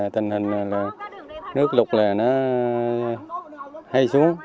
tình hình là nước lục là nó hay xuống